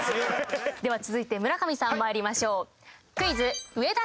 では続いて村上さんまいりましょう。